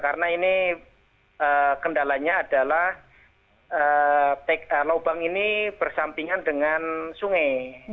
karena ini kendalanya adalah lubang ini bersampingan dengan sungai